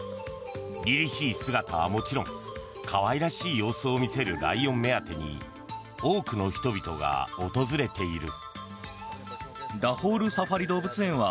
凛々しい姿はもちろん可愛らしい様子を見せるライオン目当てに多くの人々が訪れている。